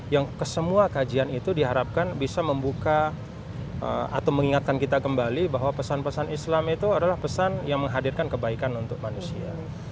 yang kesemua kajian itu diharapkan bisa membuka atau mengingatkan kita kembali bahwa pesan pesan islam itu adalah pesan yang menghadirkan kebaikan untuk manusia